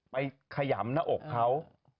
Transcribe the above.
ขยำหน้าอกเขา